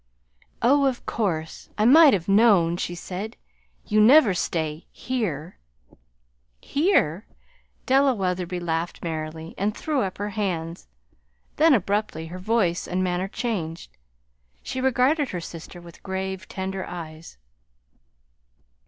"Oh, of course! I might have known," she said. "You never stay here." "Here!" Della Wetherby laughed merrily, and threw up her hands; then, abruptly, her voice and manner changed. She regarded her sister with grave, tender eyes.